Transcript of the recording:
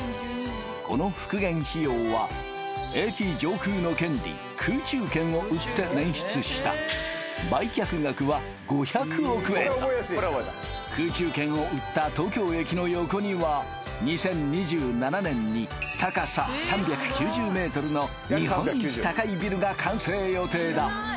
この復元費用は駅上空の権利空中権を売って捻出した売却額は５００億円だ空中権を売った東京駅の横には２０２７年に高さ３９０ｍの日本一高いビルが完成予定だ